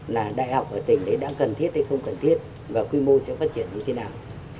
là đại học ở tỉnh đã cần thiết hay không cần thiết và quy mô sẽ phát triển như thế nào